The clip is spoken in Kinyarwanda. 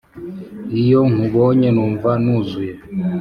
iyo nkubonye numva nuzuye"